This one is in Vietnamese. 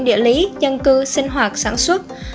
địa lý dân cư sinh hoạt sản xuất